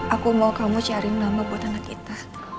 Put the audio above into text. aku mau kamu cariin nama buat anak kita